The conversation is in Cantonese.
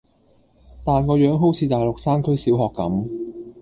但個樣好似大陸山區小學咁⠀